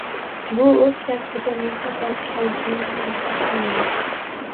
Bu o‘z kasbiga mehr va ishonchini mustahkamlaydi.